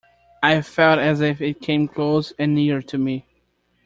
I felt as if it came close and near to me.